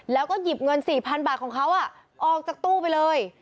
แล้วก็หยิบเงิน๔๐๐๐บาทของเขาออกจากตู้ไปเลย